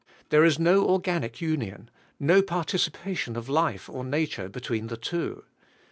There is no org auic union, no participation of life or nature between the two.